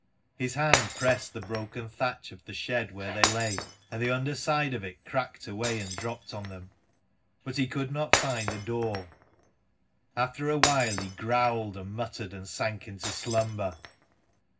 His hand pressed the broken thatch of the shed where they lay, and the underside of it cracked away and dropped on them. But he could not find the door* After a while he growled and 138 muttered, and sank into slumber.